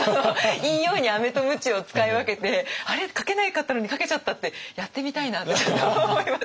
いいようにアメとムチを使い分けて「あれ？書けなかったのに書けちゃった」ってやってみたいなってちょっと思います。